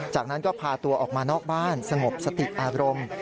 จากนั้นก็พาตัวออกมานอกบ้านสงบสติอารมณ์